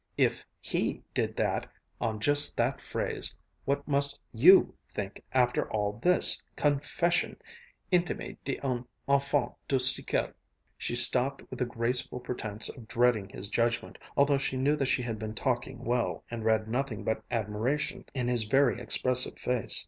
If he did that, on just that phrase what must you think, after all this confession intime d'un enfant du siècle?" She stopped with a graceful pretense of dreading his judgment, although she knew that she had been talking well, and read nothing but admiration in his very expressive face.